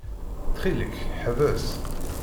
Ttxil-k, ḥbes.